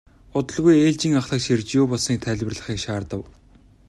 Удалгүй ээлжийн ахлагч ирж юу болсныг тайлбарлахыг шаардав.